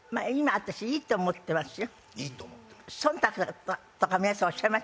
忖度とか皆さんおっしゃいますよね。